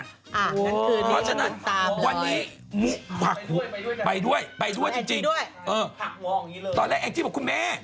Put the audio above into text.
อ่ะคืนนี้ตามเลยวันนี้มุหักไปด้วยจริงตอนแรกแอ็กจิ๊บบอกคุณแม่